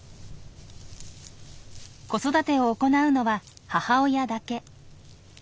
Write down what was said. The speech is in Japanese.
子育てを行うのは母親だけ。